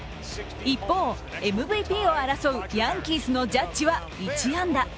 一方、ＭＶＰを争うヤンキースのジャッジは１安打。